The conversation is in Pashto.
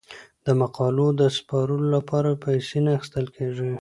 د مقالو د سپارلو لپاره پیسې نه اخیستل کیږي.